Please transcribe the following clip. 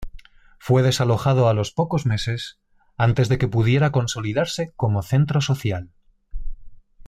Fue desalojado a los pocos meses, antes de que pudiera consolidarse como centro social.